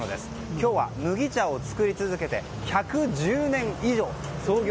今日は麦茶を作り続けて１１０年以上、創業